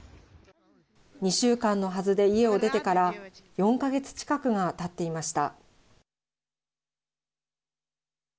２週間のはずで家を出てから４か月近くがたっていました。